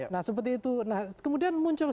nah seperti itu nah kemudian muncul